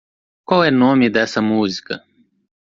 Qual é nome dessa música?